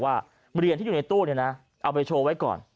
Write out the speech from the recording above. ว่าเหรียญที่อยู่ในตู้เนี่ยนะเอาไปโชว์ไว้ก่อน